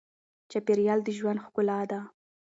چاپېریال د ژوند ښکلا ده.